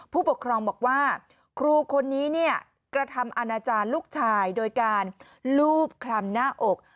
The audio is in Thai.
ผู้ปกครองบอกว่าครูคนนี้เนี่ยกระทำอาณาจารย์ลูกชายโดยการลูบคลำหน้าอก